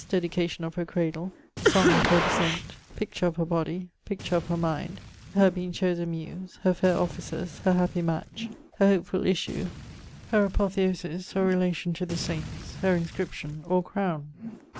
Dedication of her Cradle; Song of her Descent; Picture of her Bodie; Picture of her Mind; Her being chose a Muse; Her faire Offices; Her happy Match; Her hopefull Issue; Her ἈΠΟΘΕΩΣΙΣ, or Relation to the Saints; Her Inscription, or Crowne.'